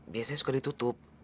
biasanya suka ditutup